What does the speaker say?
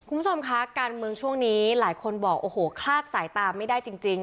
คุณผู้ชมคะการเมืองช่วงนี้หลายคนบอกโอ้โหคลาดสายตาไม่ได้จริง